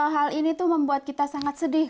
hal ini tuh membuat kita sangat sedih